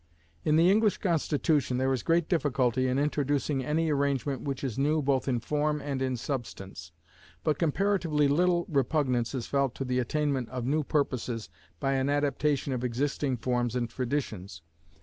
In the English Constitution there is great difficulty in introducing any arrangement which is new both in form and in substance, but comparatively little repugnance is felt to the attainment of new purposes by an adaptation of existing forms and traditions.